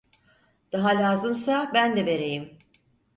Daha lazımsa ben de vereyim!